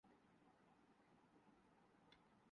لیکن کچھ ذکر چکوال کا بھی ہو جائے۔